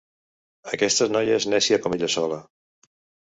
Aquesta noia és nècia com ella sola.